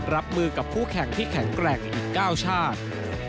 รับมือกับคู่แข่งที่แข็งแกร่งอีก๙ชาติ